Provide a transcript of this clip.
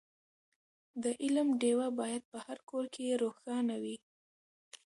د علم ډېوه باید په هر کور کې روښانه وي.